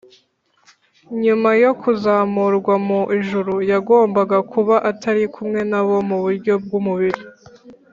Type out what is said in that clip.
nyuma yo kuzamurwa mu ijuru, yagombaga kuba atari kumwe na bo mu buryo bw’umubiri